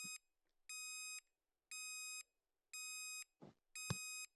Former Scarlets and Wales full back Matt Cardey was best man at the wedding.